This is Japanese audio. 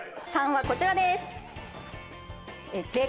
３はこちらです。